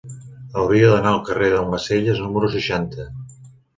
Hauria d'anar al carrer d'Almacelles número seixanta.